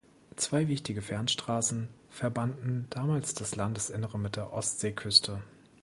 Zwei wichtige Fernstraßen verbanden damals das Landesinnere mit der Ostseeküste.